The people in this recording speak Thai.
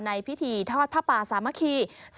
ในพิธีทอดผ้าป่าสามัคคี